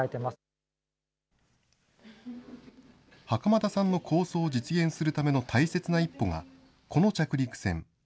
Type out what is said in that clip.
袴田さんの構想を実現するための大切な一歩が、この着陸船。